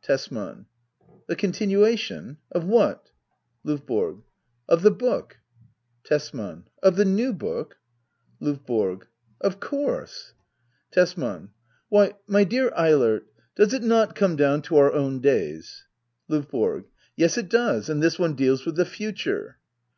Tesman. The continuation ? Of what ? L5VBORO, Of the book. Tesman. Of the new book ? LaVBORO^ Of course Tesman. Why, my dear Eilert — does it not come down to our own days ? L5VB0RC. Yes, it does; and this one deals with the future.